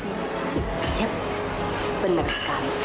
yap benar sekali